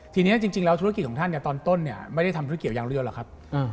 ทีนี้จริงแล้วธุรกิจของท่านตอนต้นไม่ได้ทำธุรกิจเกี่ยวยางเรียวหรอกครับ